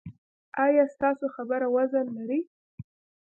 ایا ستاسو خبره وزن لري؟